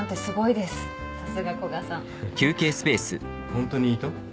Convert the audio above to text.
ホントにいいと？